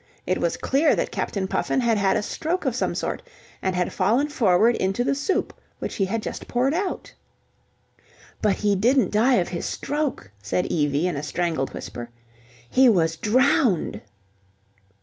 It was clear that Captain Puffin had had a stroke of some sort, and had fallen forward into the soup which he had just poured out. ... "But he didn't die of his stroke," said Evie in a strangled whisper. "He was drowned."